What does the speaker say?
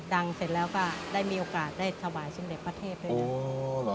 ดังเสร็จแล้วก็ได้มีโอกาสได้ถวายสิ่งเด็ดประเทศด้วยโอ้หรอฮะค่ะ